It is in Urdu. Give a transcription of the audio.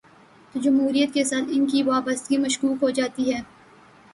تو جمہوریت کے ساتھ ان کی وابستگی مشکوک ہو جا تی ہے۔